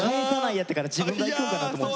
やったから自分が行くんかなと思って。